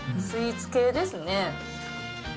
スイーツ系ですね。